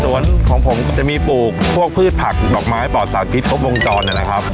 สวนของผมจะมีปลูกพวกพืชภักดอกไม้ปลอดสารพิษพวกวงจรเนี่ยนะครับ